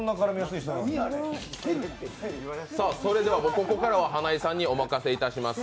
ここからは花井さんにお任せいたします。